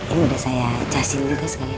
ini udah saya cacin juga sekalian